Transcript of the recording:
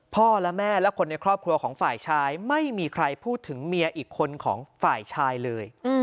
พ่อแม่และคนในครอบครัวของฝ่ายชายไม่มีใครพูดถึงเมียอีกคนของฝ่ายชายเลย